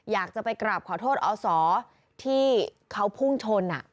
อยากจะไปกราบขอโทษอศที่เขาพุ่งชน